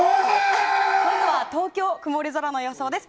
まずは東京、曇り空の予想です。